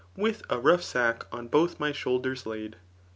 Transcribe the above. With a rough sack on both my shoulders laid.